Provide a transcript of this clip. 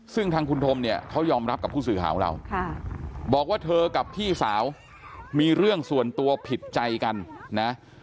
ซึ่งทางคุณธมเนี่ยเขายอมรับกับผู้สื่อข่าวของเราบอกว่าเธอกับพี่สาวมีเรื่องส่วนตัวผิดใจกันนะ